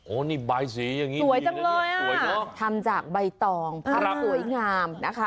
โอ้นี่ใบสีอย่างนี้สวยจังเลยทำจากใบตองสวยงามนะคะ